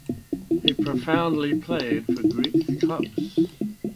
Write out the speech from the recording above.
He profoundly played for Greek clubs.